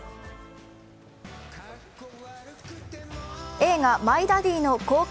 映画「マイ・ダディ」の公開